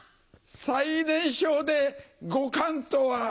最年少で５冠とは。